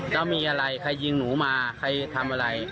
แล้วมีอะไรใครยิงหนูมาใครทำอะไร